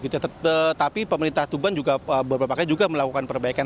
tetapi pemerintah tuban juga beberapa kali juga melakukan perbaikan